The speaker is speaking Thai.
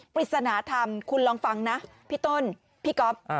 ปริศนาธรรมคุณลองฟังนะพี่ต้นพี่ก๊อฟ